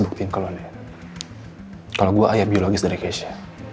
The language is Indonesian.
kamu yang mengandung keisha